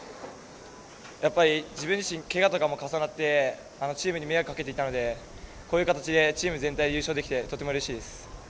やっぱり自分自身けがとかも重なってチームに迷惑かけていたのでこういう形でチーム全体で優勝できてとてもうれしいです。